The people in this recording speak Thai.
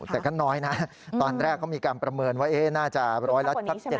แต่ก็น้อยนะตอนแรกเขามีการประเมินว่าน่าจะร้อยละสัก๗